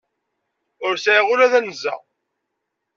Ur sεiɣ ula d anza.